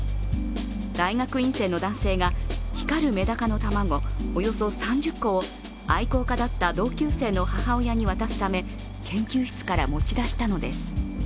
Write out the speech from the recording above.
大学院生の男性が光るメダカの卵およそ３０個を愛好家だった同級生の母親に渡すため研究室から持ち出したのです。